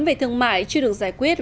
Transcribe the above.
về thương mại chưa được giải quyết